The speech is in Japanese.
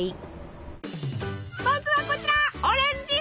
まずはこちら。